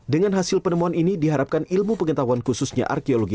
dengan hasil penemuan ini diharapkan ilmu pengetahuan khususnya arkeologi